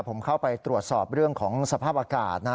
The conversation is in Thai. ผมเข้าไปตรวจสอบเรื่องของสภาพอากาศนะ